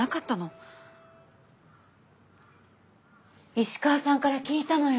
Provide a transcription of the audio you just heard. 石川さんから聞いたのよ。